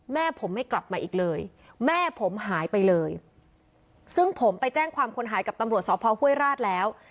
แม่ผมไม่กลับมาอีกเลยแม่ผมหายไปเลยซึ่งผมไปแจ้งความคนหายกับตำรวจสพห้วยราชแล้ว